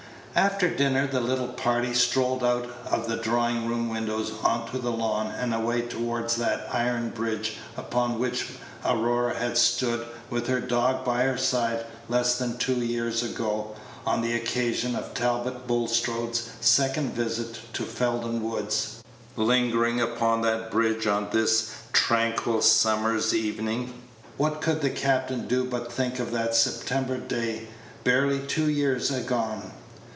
After dinner the little party strolled out of the drawing room windows on to the lawn, and away toward that iron bridge upon which Aurora had stood, with her dog by her side, less than two years ago, on the occasion of Talbot Bulstrode's second visit to Felden Woods. Lingering upon that bridge on this tranquil summer's evening, what could the captain do but think of that September day, barely two years agone?